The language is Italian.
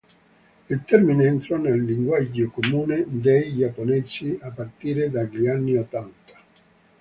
Il termine entrò nel linguaggio comune dei giapponesi a partire dagli anni ottanta.